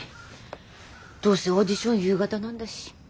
どうせオーディション夕方なんだし。